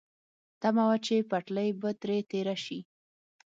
تمه وه چې پټلۍ به ترې تېره شي.